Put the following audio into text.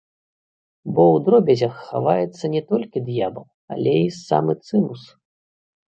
Бо ў дробязях хаваецца не толькі д'ябал, але і самы цымус.